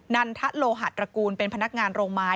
นันทะโลหัตตระกูลเป็นพนักงานโรงไม้